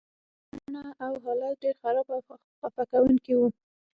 د ټول ځای بڼه او حالت ډیر خراب او خفه کونکی و